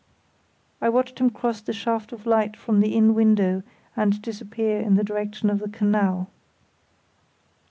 I watched him cross the shaft of light from the inn window and disappear in the direction of the canal.